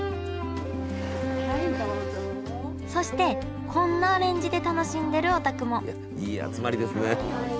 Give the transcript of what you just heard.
そしてこんなアレンジで楽しんでるお宅もいい集まりですね。